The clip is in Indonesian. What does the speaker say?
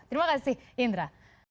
terima kasih indra